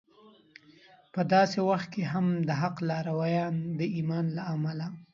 په داسې وخت کې هم د حق لارویان د ایمان له امله